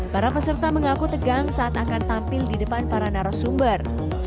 para peserta mengaku tegang saat akan tampil di depan para narasumber